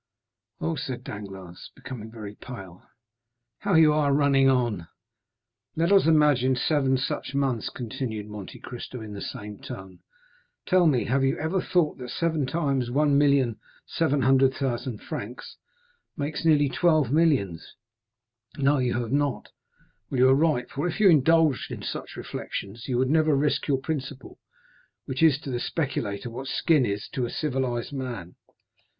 "Oh," said Danglars, becoming very pale, how you are running on!" "Let us imagine seven such months," continued Monte Cristo, in the same tone. "Tell me, have you ever thought that seven times 1,700,000 francs make nearly twelve millions? No, you have not;—well, you are right, for if you indulged in such reflections, you would never risk your principal, which is to the speculator what the skin is to civilized man.